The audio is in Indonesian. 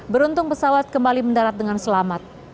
beruntung pesawat kembali mendarat dengan selamat